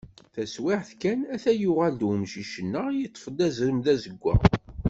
Taswiɛt kan ata yuɣal-d umcic-nneɣ, yeṭṭef-d azrem d azeggaɣ.